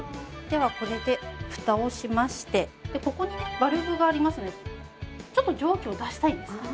ではこれでフタをしましてここにねバルブがありますのでちょっと蒸気を出したいんですね。